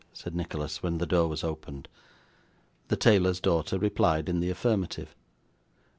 said Nicholas, when the door was opened. The tailor's daughter replied in the affirmative.